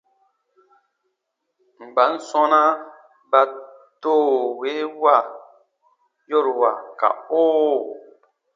Mban sɔ̃na ba “toowewa” yorua ka “oo”?